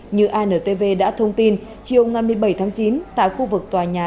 như antv đã thông tin chiều năm mươi bảy tháng chín tại khu vực tòa nhà